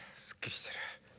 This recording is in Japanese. すっきりしてる。